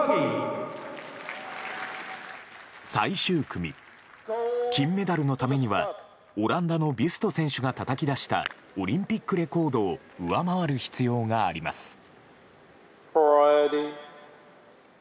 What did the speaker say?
最終組、金メダルのためには、オランダのビュスト選手がたたき出したオリンピックレコードを上回る必要があります。